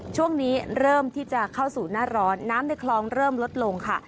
ช่วงนี้เริ่มที่จะเข้าสู่หน้าร้อนน้ำในคลองเริ่มลดลงค่ะ